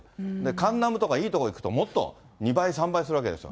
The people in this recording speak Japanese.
カンナムとかいい所に行くと、もっと２倍、３倍するわけですよ。